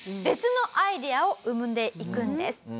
別のアイデアを生んでいくんです。